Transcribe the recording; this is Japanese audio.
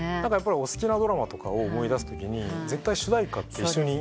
お好きなドラマとかを思い出すときに絶対主題歌って一緒に。